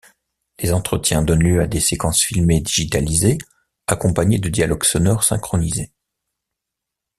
Les entretiens donnent lieu à des séquences filmées digitalisées accompagnés de dialogues sonores synchronisés.